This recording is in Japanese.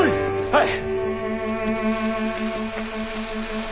はい！